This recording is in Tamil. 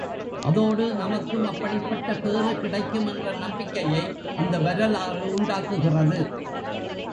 அதோடு நமக்கும் அப்படிப்பட்ட பேறு கிடைக்கும் என்ற நம்பிக்கையை அந்த வரலாறு உண்டாக்குகிறது.